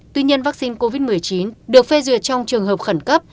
tuy nhiên vaccine covid một mươi chín được phê duyệt trong trường hợp khẩn cấp